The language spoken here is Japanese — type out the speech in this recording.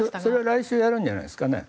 来週やるんじゃないですかね。